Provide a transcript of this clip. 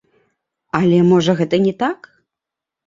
Але, можа, гэта не так?